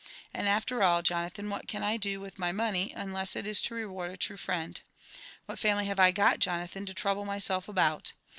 And a(ter all, Jonathaii, what can I do with my pDoney, un less it is to reward a true friend? What family have I got, Jonathan, to trouble myself about?